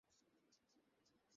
আগে তার আকাঙ্ক্ষা সৃষ্টি করতে হবে।